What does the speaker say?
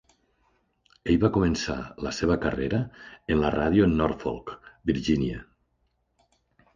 Ell va començar la seva carrera en la ràdio en Norfolk, Virgínia.